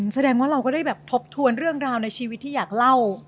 แสดงว่าเราก็ได้แบบทบทวนเรื่องราวในชีวิตที่อยากเล่า